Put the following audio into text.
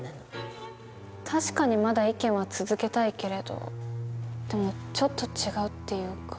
確かにまだ意見は続けたいけれどでもちょっと違うっていうか。